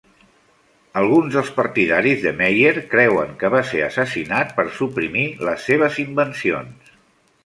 Alguns dels partidaris de Meyer creuen que va ser assassinat per suprimir les seves invencions.